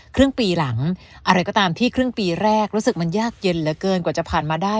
ครึ่งปีหลังอะไรก็ตามที่ครึ่งปีแรกรู้สึกมันยากเย็นเหลือเกินกว่าจะผ่านมาได้